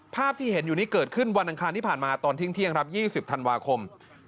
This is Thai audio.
ภาพที่เห็นอยู่นี้เกิดขึ้นวันอังคารที่ผ่านมาตอนเที่ยงครับ๒๐ธันวาคม